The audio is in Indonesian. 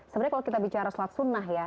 sebenarnya kalau kita bicara soal sunnah ya